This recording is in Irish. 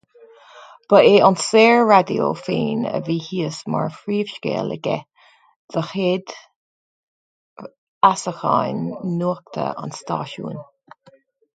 Ba é an Saor-Raidió féin a bhí thíos mar phríomhscéal aige do chéad fheasachán nuachta an stáisiúin.